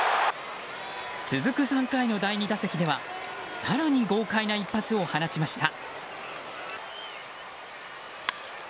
続く３回の第２打席では更に豪快な一発を放ちました。